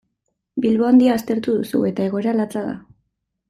Bilbo Handia aztertu duzu eta egoera latza da.